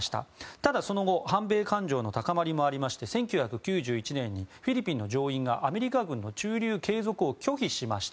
ただ、その後、反米感情の高まりもありまして１９９１年にフィリピンの上院がアメリカ軍の駐留継続を拒否しました。